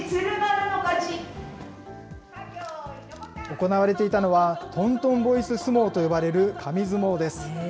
行われていたのは、トントンボイス相撲と呼ばれる紙相撲です。